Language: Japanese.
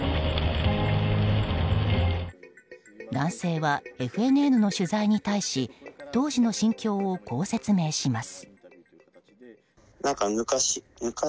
男性はＦＮＮの取材に対し当時の心境を、こう説明します。